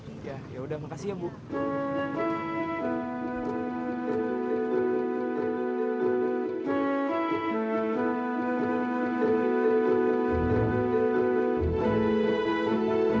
iya ya udah makasih ya pak ya